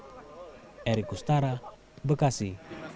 dari kustara bekasi